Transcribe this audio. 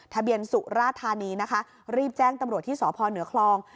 สุราธานีนะคะรีบแจ้งตำรวจที่สพเหนือคลอง